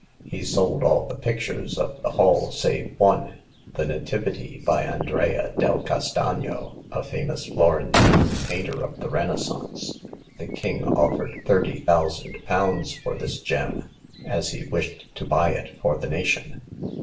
He sold all the pictures of the Hall save one, "The Nativity," by Andrea del Castagno, a famous Florentine painter of the Renaissance. The King offered thirty thousand pounds for this gem, as he wished to buy it for the nation.